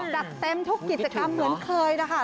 จัดเต็มทุกกิจกรรมเหมือนเคยนะคะ